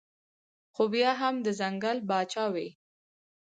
خو بيا هم د ځنګل باچا وي